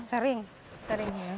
sering sering ya